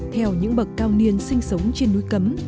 theo những bậc cao niên sinh sống trên núi cấm